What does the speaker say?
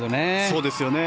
そうですよね。